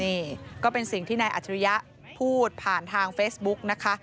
นี่ก็เป็นสิ่งที่นายอัจฉริยะพูดผ่านทางเฟซบุ๊กนะคะ